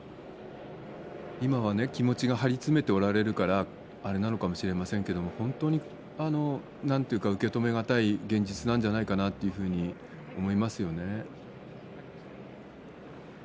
今はね、気持ちが張り詰められておられるからあれなのかもしれませんけど、本当に、なんていうか、受け止め難い現実なんじゃないかなというふうに思いますよね。